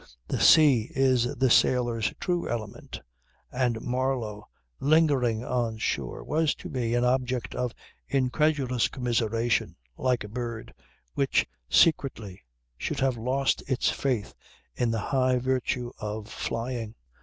The sea is the sailor's true element, and Marlow, lingering on shore, was to me an object of incredulous commiseration like a bird, which, secretly, should have lost its faith in the high virtue of flying.